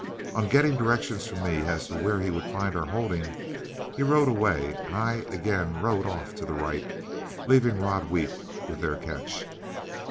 On getting directions from me as to where he would find our holding, he rode away, and I again rode off to the right, leaving Rod Wheat with their catch.